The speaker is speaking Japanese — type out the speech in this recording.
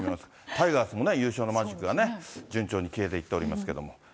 タイガースもね、優勝のマジックがね、順調に消えていっておりますけど。